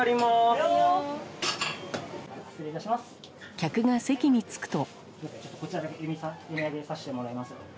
客が席に着くと。